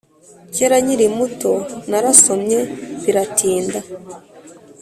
Kera nkiri muto narasomye biratinda.